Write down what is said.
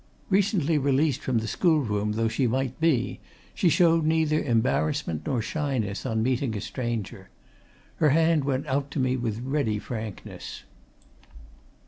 Recently released from the schoolroom though she might be, she showed neither embarrassment nor shyness on meeting a stranger. Her hand went out to me with ready frankness.